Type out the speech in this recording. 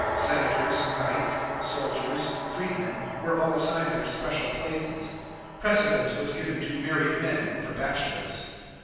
Senators, knights, soldiers, freedmen were all assigned their special places. Precedence was given to married men over bachelors.